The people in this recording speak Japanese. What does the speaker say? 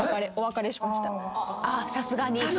さすがに。